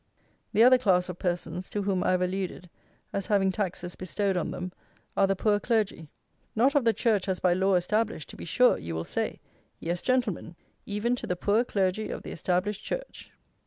The other class of persons, to whom I have alluded, as having taxes bestowed on them, are the poor clergy. Not of the church as by law established, to be sure, you will say! Yes, Gentlemen, even to the poor clergy of the established Church.